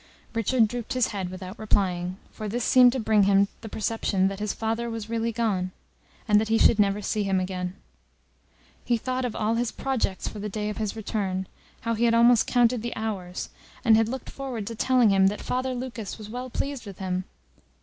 Richard drooped his head without replying, for this seemed to bring to him the perception that his father was really gone, and that he should never see him again. He thought of all his projects for the day of his return, how he had almost counted the hours, and had looked forward to telling him that Father Lucas was well pleased with him!